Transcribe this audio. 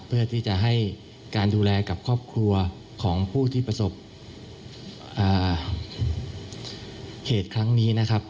เพื่อที่จะให้การดูแลกับครอบครัวของผู้ที่ประสบเหตุครั้งนี้นะครับ